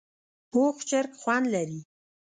پوخ چرګ خوند لري